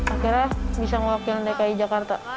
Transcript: akhirnya bisa mewakili dki jakarta